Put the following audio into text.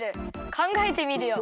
かんがえてみるよ。